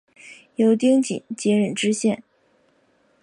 由丁谨接任知县。